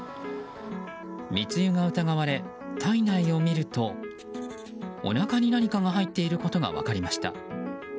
密輸が疑われ、体内を見るとおなかに何かが入っていることが分かりました。